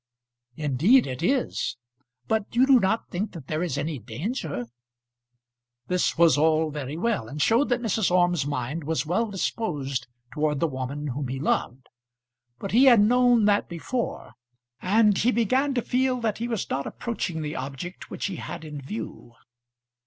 "Indeed it is; but you do not think that there is any danger?" This was all very well, and showed that Mrs. Orme's mind was well disposed towards the woman whom he loved. But he had known that before, and he began to feel that he was not approaching the object which he had in view.